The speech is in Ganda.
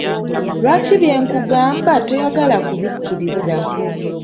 Lwaki bye nkugamba toyagala kubikkiriza?